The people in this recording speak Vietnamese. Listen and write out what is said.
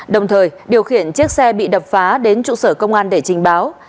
đồng thời điều khiển chiếc xe bị đập phá đến trụ sở công an để trình báo